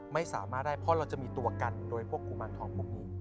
ไม่สามารถได้เพราะเราจะมีตัวกันโดยพวกกุมารทองพวกนี้